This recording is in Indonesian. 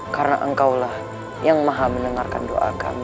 karena engkau lah yang maha mendengarkan doakan